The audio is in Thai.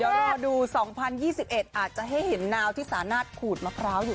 เดี๊ยวเรามาดู๒๐๑๑อาจจะแฮ่เห็นนาวที่สานาดขูดมะคราวอยู่